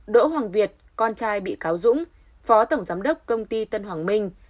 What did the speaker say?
đỗ hoàng việt con trai bị cáo dũng phó tổng giám đốc công ty tân hoàng minh